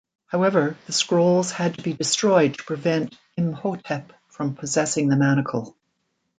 However, the scrolls had to be destroyed to prevent Imhotep from possessing the manacle.